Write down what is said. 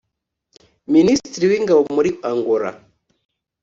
Minisitiri w’Ingabo muri Angola